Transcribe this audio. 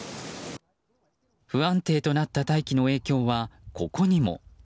不安定となった大気の影響はここにも。